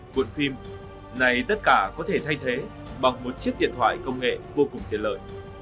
cuộn phim này tất cả có thể thay thế bằng một chiếc điện thoại công nghệ vô cùng tiện lợi